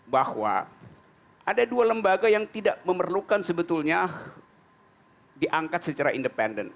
bahwa ada dua lembaga yang tidak memerlukan sebetulnya diangkat secara independen